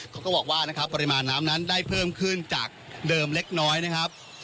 เขาก็บอกว่านะครับปริมาณน้ำนั้นได้เพิ่มขึ้นจากเดิมเล็กน้อยนะครับ